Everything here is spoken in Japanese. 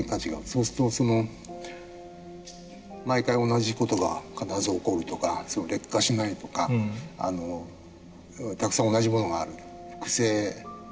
そうすると毎回同じ事が必ず起こるとか劣化しないとかたくさん同じものがある。